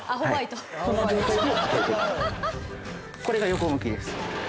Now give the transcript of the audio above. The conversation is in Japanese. これが横向きです。